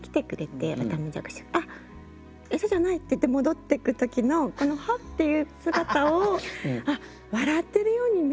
「あっ餌じゃない」っていって戻ってく時のこの「はっ！」っていう姿を笑ってるように見えたんだ